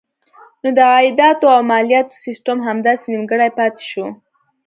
نو د عایداتو او مالیاتو سیسټم همداسې نیمګړی پاتې شو.